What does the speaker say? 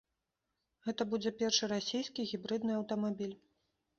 Гэта будзе першы расійскі гібрыдны аўтамабіль.